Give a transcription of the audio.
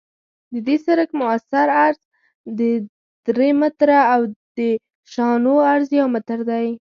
د دې سرک مؤثر عرض درې متره او د شانو عرض یو متر دی